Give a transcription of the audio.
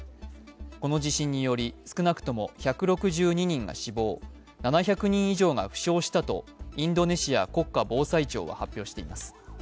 この地震により、少なくとも１６２人が死亡、７００人以上が負傷したとインドネシア国家防災庁が発表しています。